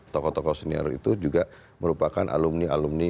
tokoh tokoh senior itu juga merupakan alumni alumni